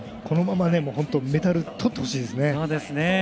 このままメダルをとってほしいですね。